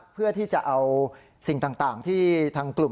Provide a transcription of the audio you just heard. เพื่อที่จะเอาสิ่งต่างที่ทางกลุ่ม